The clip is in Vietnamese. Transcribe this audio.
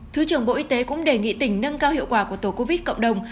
thứ trưởng bộ y tế cũng đề nghị tỉnh nâng cao hiệu quả của tổ covid cộng đồng